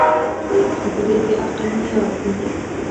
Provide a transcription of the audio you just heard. خبرې د عقل معیار دي.